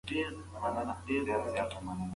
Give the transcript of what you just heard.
ماشومان باید له بدو ملګرو لرې وساتل شي.